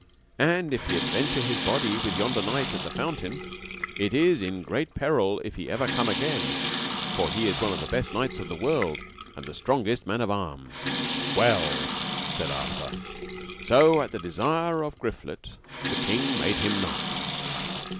And if he adventure his body with yonder knight at the fountain, it is in great peril if ever he come again, for he is one of the best knights of the world, and the strongest man of arms. Well, said Arthur. So at the desire of Griflet the king made him knight.